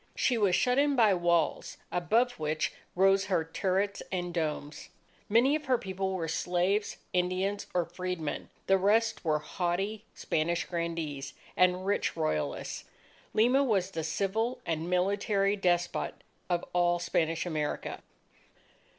She was shut in by walls above which rose her turrets and domes. Many of her people were slaves, Indians, or freedmen; the rest were haughty Spanish grandees and rich royalists. Lima was the civil, and military, despot of all Spanish America.